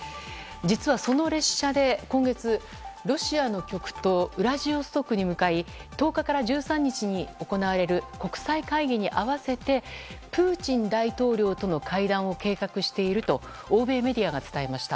実はその列車で今月ロシアの極東ウラジオストクに向かい１０日から１３日に行われる国際会議に合わせてプーチン大統領との会談を計画していると欧米メディアが伝えました。